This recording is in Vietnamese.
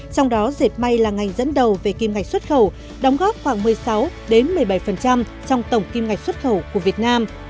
trong đó dệt may là ngành dẫn đầu về kim ngạch xuất khẩu đóng góp khoảng một mươi sáu một mươi bảy trong tổng kim ngạch xuất khẩu của việt nam